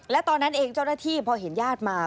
และตอนนั้นเองเจ้าหน้าที่พอเห็นญาติมา